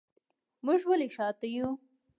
موږ ولې شاته یو؟